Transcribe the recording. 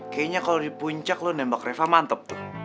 kayanya kalo di puncak lo nembak reva mantep tuh